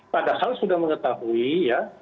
padahal sudah mengetahui ya